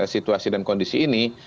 situasi dan kondisi ini